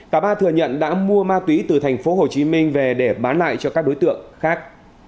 cả ba thừa nhận đã mua ma túy từ thành phố hồ chí minh về để bán lại cho các đối tượng khác